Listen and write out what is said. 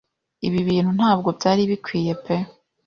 ibi bintu ntabwo byari bikwiye pe